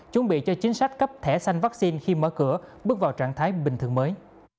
chuẩn bị cho chính sách cấp thẻ xanh vaccine khi mở cửa bước vào trạng thái bình thường mới